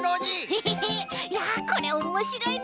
ヘヘヘいやこれおもしろいな。